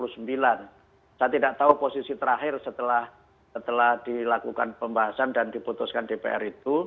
saya tidak tahu posisi terakhir setelah dilakukan pembahasan dan diputuskan dpr itu